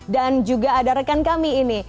dan juga ada rekan kami ini